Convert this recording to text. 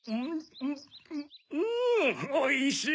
うんおいしい！